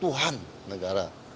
tiga menjaga keamanan negara